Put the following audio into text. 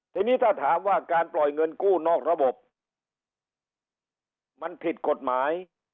ทีนี้ถ้าถามว่าการปล่อยเงินกู้นอกระบบมันผิดกฎหมาย